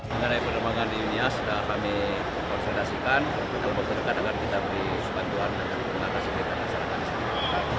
dengan perkembangan di dunia sudah kami konsultasikan kita berkontrol dengan kita di sumatera utara dan kita berkontrol dengan masyarakat